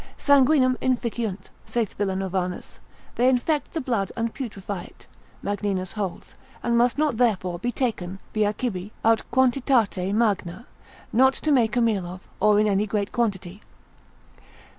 Sanguinem inficiunt, saith Villanovanus, they infect the blood, and putrefy it, Magninus holds, and must not therefore be taken via cibi, aut quantitate magna, not to make a meal of, or in any great quantity.